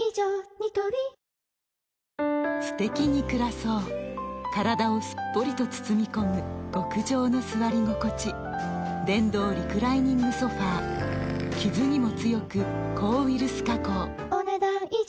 ニトリすてきに暮らそう体をすっぽりと包み込む極上の座り心地電動リクライニングソファ傷にも強く抗ウイルス加工お、ねだん以上。